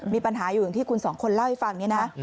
มีปัญหาอยู่อย่างที่คุณสองคนเล่าให้ฟังเนี่ยนะ